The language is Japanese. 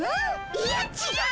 いやちがう！